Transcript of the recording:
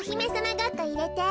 ごっこいれて。